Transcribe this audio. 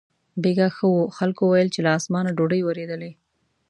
بېګاه ښه و، خلکو ویل چې له اسمانه ډوډۍ ورېدلې.